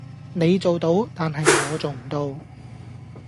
你做到，但係我做唔到